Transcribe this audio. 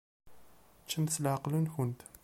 Ččemt s leɛqel-nkent.